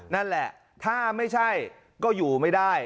นั่นแหละถ้าไม่ใช่ก็อยู่ไม่ได้